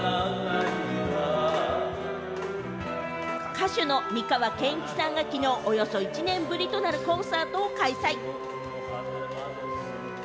歌手の美川憲一さんが昨日、およそ１年ぶりとなるコンサートを開催。